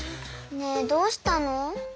ねえどうしたの？